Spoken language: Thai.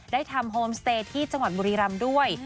ได้ทำโฮมสเตย์ที่จังหวัดบุรีรำด้วย